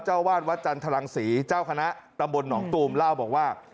วาดวัดจันทรังศรีเจ้าคณะตำบลหนองตูมเล่าบอกว่า